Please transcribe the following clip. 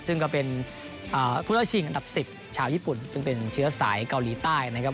ซึ่งก็เป็นผู้ได้ชิงอันดับ๑๐ชาวญี่ปุ่นซึ่งเป็นเชื้อสายเกาหลีใต้นะครับ